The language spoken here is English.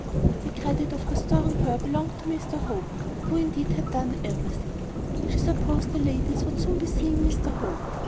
The credit of restoring her belonged to Mr Hope, who indeed had done everything. She supposed the ladies would soon be seeing Mr Hope.